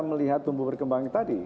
melihat tumbuh berkembang tadi